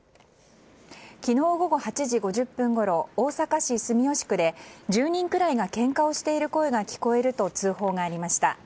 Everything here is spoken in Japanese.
昨日午後８時５０分ごろ大阪市住吉区で１０人くらいがけんかをしている声が聞こえると通報がありました。